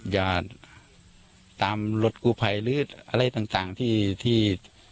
จะตามรถกู้ภัยหรืออะไรต่างที่